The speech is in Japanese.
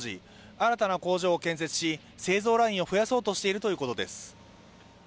新たな工場を建設し、製造ラインを増やそうとしているということです。